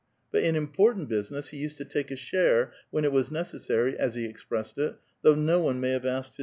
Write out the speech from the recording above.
But in important busi ness he used to take a share, when it was necessarv, as he expressed it, though no one may have asked his aid.